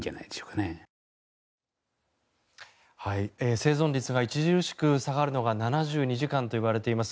生存率が著しく下がるのが７２時間といわれています。